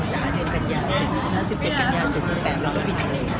หาเดือนกันยา๑๗กันยา๑๘แล้วก็ปิดเตรียม